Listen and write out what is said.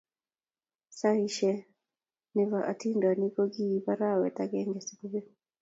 Saishanee ne bo atindonik ko kiib arawet akenge si kobek.